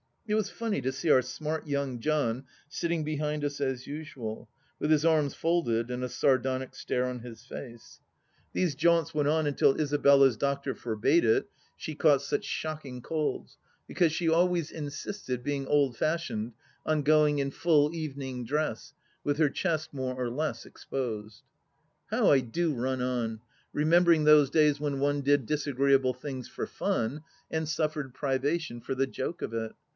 It was funny to see our smart young John sitting behind us as usual, with his arms folded and a sardonic stare on bis |ace, Thes^ 200 THE LAST DITCH jaunts went on until Isabella's doctor forbade it, she caught such shocking colds, because she always insisted, being old fashioned, on going in full evening dress, with her chest more or less exposed. How I do run on, remembering those days when one did disagreeable things /or /wn and suffered privation for the joke of it